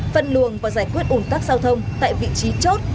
phân luồng và giải quyết ủn tắc giao thông tại vị trí chốt